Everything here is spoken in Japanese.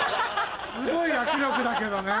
すごい握力だけどね。